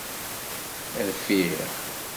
Rfiɣ.